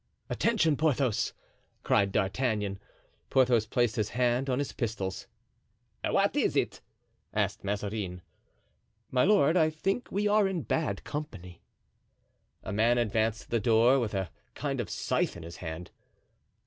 "Attention, Porthos!" cried D'Artagnan. Porthos placed his hand on the pistols. "What is it?" asked Mazarin. "My lord, I think we are in bad company." A man advanced to the door with a kind of scythe in his hand.